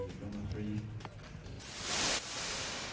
ขอบคุณครับ